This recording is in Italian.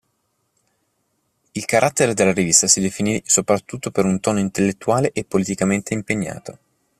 Il carattere della rivista si definì soprattutto per un tono intellettuale e politicamente impegnato.